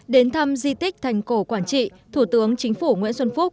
đến thăm di tích thành cổ quảng trị thủ tướng chính phủ nguyễn xuân phúc